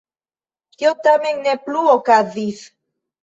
Tio tamen ne plu okazis.